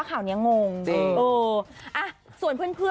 ก็งงอยู่